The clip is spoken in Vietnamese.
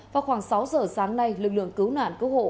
vào khoảng sáu giờ sáng nay lực lượng cứu nạn cứu hộ